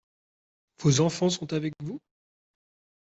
Vos enfants sont avec vous ?